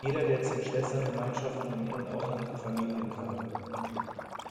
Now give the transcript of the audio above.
Jede der zehn Schwestern-Gemeinschaften im In- und Ausland hat Familien-Charakter.